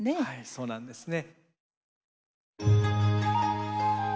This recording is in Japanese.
そうなんですね。